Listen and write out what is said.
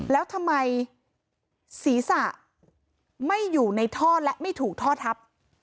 แล้วทำไมศีรษะไม่อยู่ในท่อและไม่ถูกท่อทับ